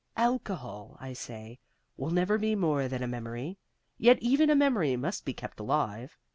"Alcohol, I say, will never be more than a memory. Yet even a memory must be kept alive.